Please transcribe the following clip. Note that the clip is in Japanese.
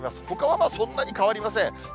ほかはそんなに変わりません。